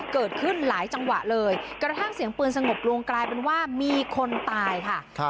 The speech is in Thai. เกิดขึ้นหลายจังหวะเลยกระทั่งเสียงปืนสงบลงกลายเป็นว่ามีคนตายค่ะ